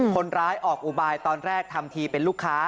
คนร้ายออกอุบายตอนแรกทำทีเป็นลูกค้า